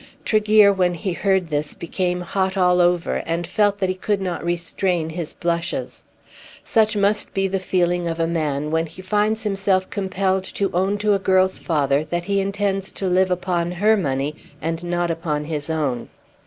Tregear when he heard this became hot all over, and felt that he could not restrain his blushes. Such must be the feeling of a man when he finds himself compelled to own to a girl's father that he intends to live upon her money and not upon his own.